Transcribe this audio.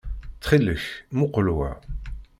Ttxil-k, muqel wa.